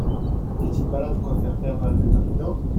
N'y a-t-il pas là de quoi faire perdre la tête à plus d'un ?